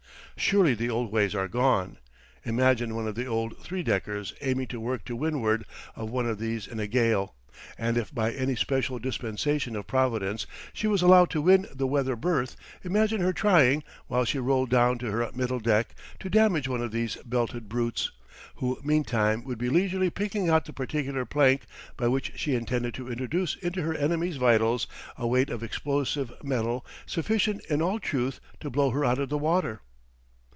Surely the old ways are gone. Imagine one of the old three deckers aiming to work to windward of one of these in a gale, and if by any special dispensation of Providence she was allowed to win the weather berth, imagine her trying, while she rolled down to her middle deck, to damage one of these belted brutes, who meantime would be leisurely picking out the particular plank by which she intended to introduce into her enemy's vitals a weight of explosive metal sufficient in all truth to blow her out of water.